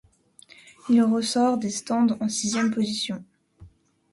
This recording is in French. Il ressort des stands en sixième position.